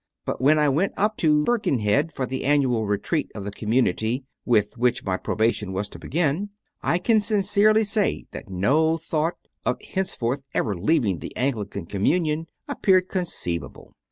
But when I went up to Birkenhead for the annual retreat of the community with which my probation was to begin, I can sincerely say that no thought of henceforth ever leaving the Anglican communion appeared conceivable.